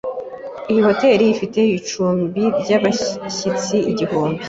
Iyi hoteri ifite icumbi ryabashyitsi igihumbi